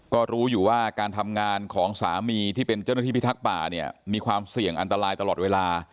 ก็รู้อยู่ว่าการทำงานของสามีที่เป็นเจ้าหน้าที่พิทักษ์ป่าเนี่ยมีความเสี่ยงอันตรายตลอดเวลา